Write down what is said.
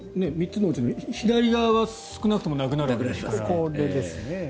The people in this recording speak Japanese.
３つのうちの左側は少なくともなくなるわけだから。